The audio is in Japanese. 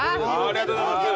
ありがとうございます。